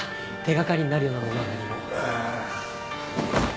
手掛かりになるようなものは何も。